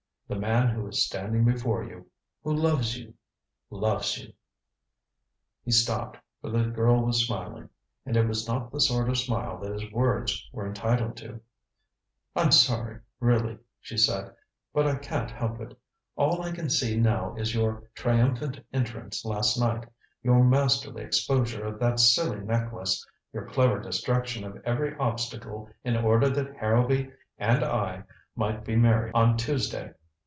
The man who is standing before you who loves you loves you " He stopped, for the girl was smiling. And it was not the sort of smile that his words were entitled to. "I'm sorry, really," she said. "But I can't help it. All I can see now is your triumphant entrance last night your masterly exposure of that silly necklace your clever destruction of every obstacle in order that Harrowby and I might be married on Tuesday.